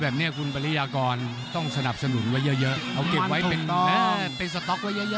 บริยกรณ์ต้องสนับสนุนไว้เยอะเอาเก็บไว้เป็นสต๊อกอ่ะเยอะเยอะ